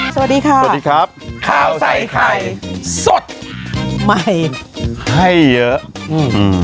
สวัสดีค่ะสวัสดีครับข้าวใส่ไข่สดใหม่ให้เยอะอืม